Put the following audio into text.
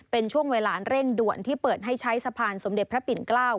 เป็นช่วงเวลาเร่งด่วนที่เปิดให้ใช้สะพานสมเด็จพระปิ่นเกล้า